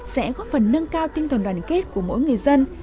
sẽ góp phần nâng cao tinh thần đoàn kết của mỗi người dân